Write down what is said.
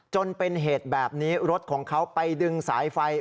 จนเป็นเหตุแบบนี้รถของเขาไปดึงสายไฟ